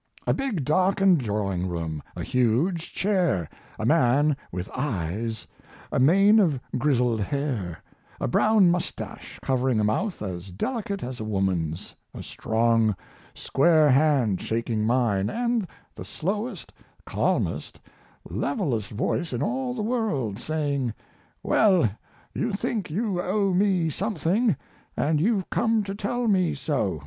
A big, darkened drawing room; a huge chair; a man with eyes, a mane of grizzled hair, a brown mustache covering a mouth as delicate as a woman's, a strong, square hand shaking mine, and the slowest, calmest, levelest voice in all the world saying: "Well, you think you owe me something, and you've come to tell me so.